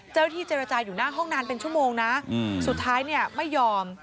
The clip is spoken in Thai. ที่เจรจาอยู่หน้าห้องนานเป็นชั่วโมงนะสุดท้ายเนี่ยไม่ยอม